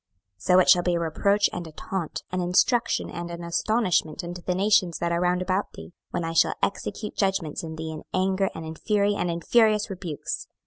26:005:015 So it shall be a reproach and a taunt, an instruction and an astonishment unto the nations that are round about thee, when I shall execute judgments in thee in anger and in fury and in furious rebukes.